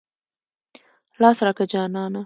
لاس راکه جانانه.